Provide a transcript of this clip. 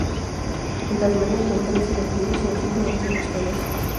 En Tasmania hay volcanes inactivos en los últimos tiempos geológicos.